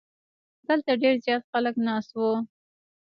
دلته ډیر زیات خلک ناست وو.